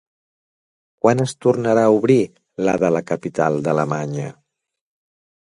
Quan es tornarà a obrir la de la capital d'Alemanya?